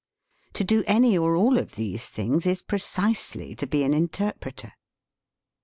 To do any or all of these things is precisely to be an interpreter.